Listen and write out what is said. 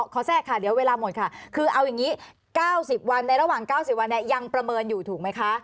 แทรกค่ะเดี๋ยวเวลาหมดค่ะคือเอาอย่างนี้๙๐วันในระหว่าง๙๐วันเนี่ยยังประเมินอยู่ถูกไหมคะ